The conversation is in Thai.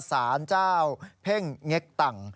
สารเจ้าเพ่งเง็กตัง